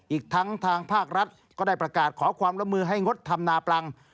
อีกทั้งทางภาครัฐก็ได้ประกาศขอความร่วมมือให้งดทำนาปลัง